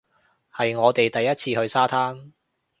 係我哋第一次去沙灘